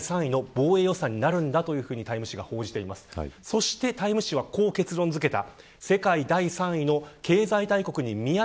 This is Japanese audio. そしてタイム誌はこう結論づけた。